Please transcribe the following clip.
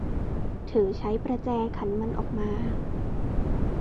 เธอใช้ประแจขันมันออกมา